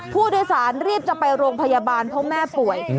ผู้โดยสารรีบจะไปโรงพยาบาลเพราะแม่ป่วย